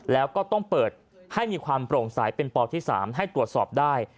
แล้วก็ต้องเปิดให้มีความโปร่งใสเป็นปที่๓ให้ตรวจสอบได้